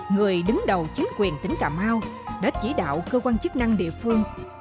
người đứng đầu chính quyền tỉnh cà mau đã chỉ đạo cơ quan chức năng địa phương